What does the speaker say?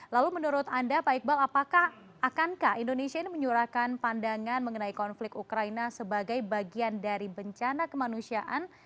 lalu menurut anda pak iqbal apakah akankah indonesia ini menyurahkan pandangan mengenai konflik ukraina sebagai bagian dari bencana kemanusiaan